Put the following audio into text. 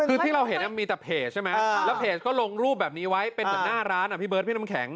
คือที่เราเห็นมีแต่เพจใช่ไหมแล้วเพจก็ลงรูปแบบนี้ไว้เป็นเหมือนหน้าร้านอ่ะพี่เบิร์ดพี่น้ำแข็ง